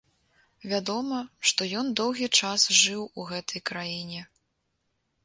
Вядома, што ён доўгі час жыў у гэтай краіне.